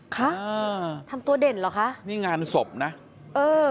ค่ะอ่าทำตัวเด่นเหรอคะนี่งานศพนะเออ